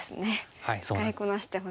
使いこなしてほしいですね。